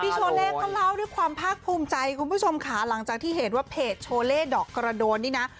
โชเล่เขาเล่าด้วยความภาคภูมิใจคุณผู้ชมค่ะหลังจากที่เห็นว่าเพจโชเล่ดอกกระโดนนี่นะ